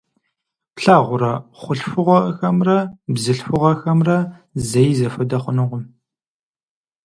Плъагъурэ, хъулъхугъэхэмрэ бзылъхугъэхэмрэ зэи зэхуэдэ хъунукъым.